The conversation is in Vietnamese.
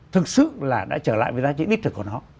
thực sự là đã trở lại với giá trị đích thực của nó